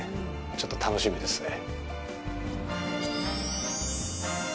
ちょっと楽しみですね。